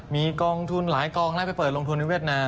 มีกองทุนหลายกองไล่ไปเปิดลงทุนในเวียดนาม